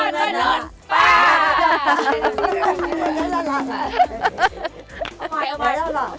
หนึ่งสองซ้ำยาดมนุษย์ป้า